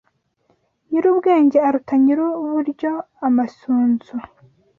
Nyiri ubwenge aruta nyiri uburyo Amasunzu